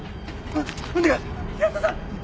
お願い平田さん！